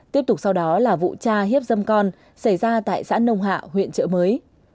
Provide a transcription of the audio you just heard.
tiếp tục sau đó là vụ cha hiếp dâm con xảy ra tại xã nông hạ huyện trợ mới